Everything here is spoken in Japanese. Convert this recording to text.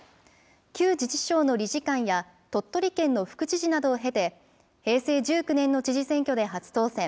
旧自治省の理事官や、鳥取県の副知事などを経て、平成１９年の知事選挙で初当選。